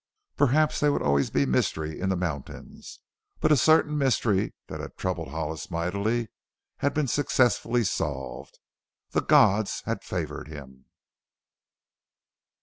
Perhaps there would always be mystery in the mountains, but a certain mystery that had troubled Hollis mightily had been successfully solved. The gods had favored him.